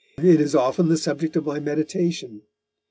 It is often the subject of my meditation.